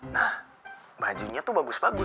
nah bajunya tuh bagus bagus